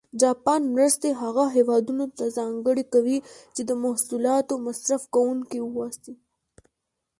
جاپان مرستې هغه هېوادونه ته ځانګړې کوي چې د محصولاتو مصرف کوونکي و اوسي.